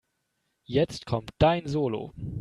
Jetzt kommt dein Solo.